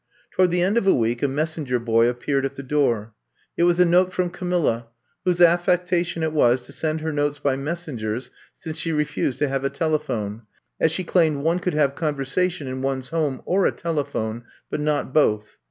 Toward the end of a week a messenger boy appeared at the door. It was a note from Camilla, whose affecta tion it was to send her notes by messengers since she refused to have a telephone, as she claimed one could have conversation in one's home or a telephone, but not both.